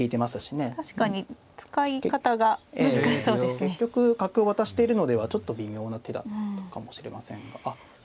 結局角を渡しているのではちょっと微妙な手だったかもしれませんが。